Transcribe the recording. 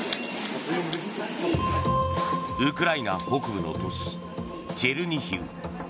ウクライナ北部の都市チェルニヒウ。